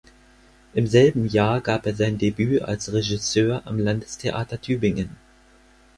Im selben Jahr gab er sein Debüt als Regisseur am Landestheater Tübingen.